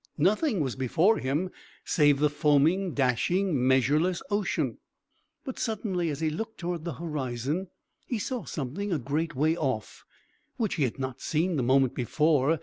Nothing was before him, save the foaming, dashing, measureless ocean. But, suddenly, as he looked toward the horizon, he saw something, a great way off, which he had not seen the moment before.